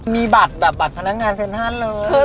มีบัตรแบบบัตรพนักงานเป็นห้านเลือด